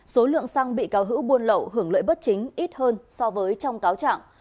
số lượng xăng bị cáo hữu buôn lậu hưởng lợi bất chính ít hơn so với trong cáo trạng